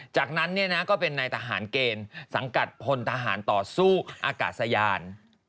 จากนั้นก็เป็นนายทหารเกณฑ์สังกัดพลทหารต่อสู้อากาศยาน